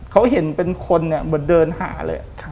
เขาเห็นเป็นคนเนี่ยเหมือนเดินหาเลย